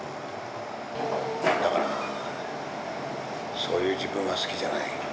だからそういう自分が好きじゃない。